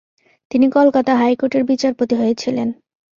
তিনি কলকাতা হাইকোর্টের বিচারপতি হয়েছিলেন।